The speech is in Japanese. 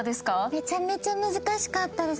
めちゃめちゃ難しかったです。